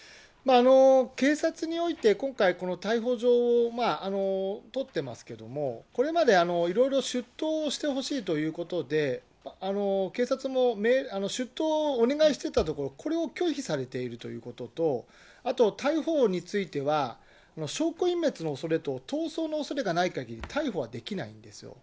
警察において、今回、この逮捕状を取ってますけども、これまでいろいろ出頭してほしいということで、警察も出頭をお願いしてたところ、これを拒否されているということと、あと逮捕については、証拠隠滅のおそれと逃走のおそれがないかぎり、逮捕はできないんですよ。